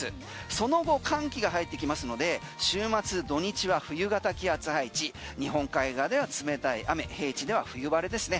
その後寒気が入ってきますので週末土日は冬型気圧配置日本海側では冷たい雨平地では冬晴れですね。